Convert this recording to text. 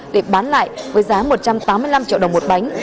để bán lại với giá một trăm tám mươi năm triệu đồng một bánh